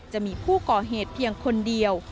จะมีผู้ก่อเหตุเพียงคนเดียว